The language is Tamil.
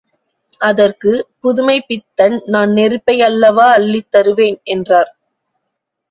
அதற்கு, புதுமைப்பித்தன் நான் நெருப்பை அல்லவா அள்ளித் தருவேன் என்றார்.